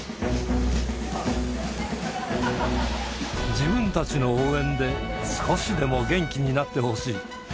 自分たちの応援で、少しでも元気になってほしい。